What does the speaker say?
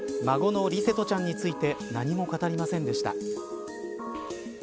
孫の琉聖翔ちゃんについて何も語りませんでした。